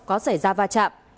có xảy ra va chạm